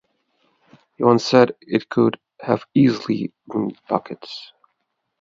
He once said, It could have easily been buckets.